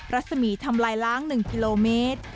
รัศมีร์ทำลายล้าง๑กิโลเมตร